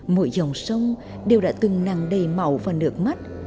mỗi dòng sông đều đã từng nằm đầy màu và nước mắt